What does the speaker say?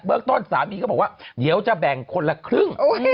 ต้นสามีก็บอกว่าเดี๋ยวจะแบ่งคนละครึ่ง